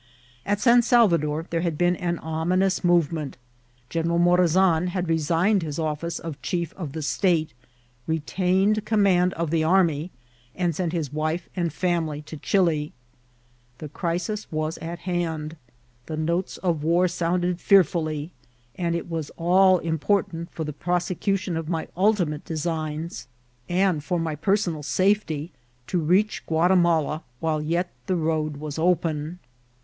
At San Salvador Uiere had been an ominous move* ment. General Morazan had resigned his office of chief of the state, retaining command of the army, and sent his wife and family to Chili. The crisis was at hand ; the notes of war sounded fearfully, and it vtbb all im portant for the prosecution of my ultimate designs and 494 INCIDENTS OP TRAYSL. for my personal safety to reach Gtmtimala while yet the road was open.